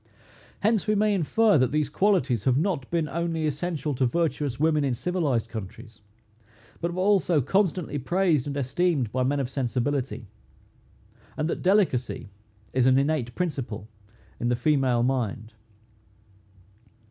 Hence we may infer, that these qualities have not been only essential to virtuous women in civilized countries, but were also constantly praised and esteemed by men of sensibility; and that delicacy is an innate principle in the female mind.